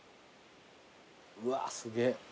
うわーすげえ。